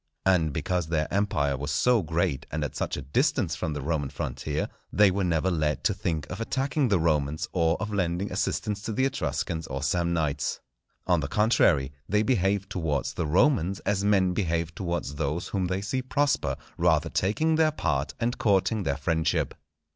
And because their empire was so great, and at such a distance from the Roman frontier, they were never led to think of attacking the Romans or of lending assistance to the Etruscans or Samnites. On the contrary, they behaved towards the Romans as men behave towards those whom they see prosper, rather taking their part and courting their friendship.